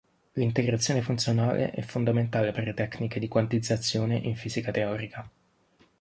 L'integrazione funzionale è fondamentale per le tecniche di quantizzazione in fisica teorica.